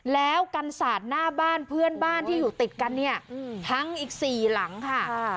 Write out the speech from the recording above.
แล้วกันสาดหน้าบ้านเพื่อนบ้านที่อยู่ติดกันเนี่ยพังอีก๔หลังค่ะ